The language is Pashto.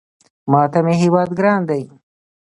ماته مې هېواد ګران دی